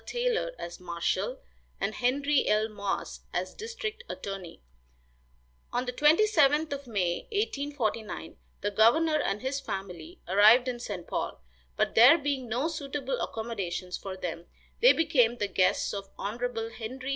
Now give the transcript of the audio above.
Taylor as marshal, and Henry L. Moss as district attorney. On the 27th of May, 1849, the governor and his family arrived in St. Paul; but there being no suitable accommodations for them, they became the guests of Hon. Henry H.